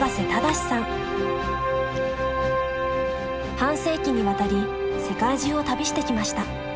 半世紀にわたり世界中を旅してきました。